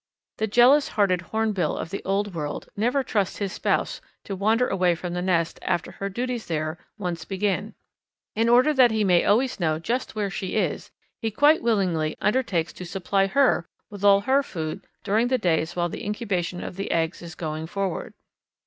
The jealous hearted Hornbill of the Old World never trusts his spouse to wander away from the nest after her duties there once begin. In order that he may always know just where she is he quite willingly undertakes to supply her with all her food during the days while the incubation of the eggs is going forward.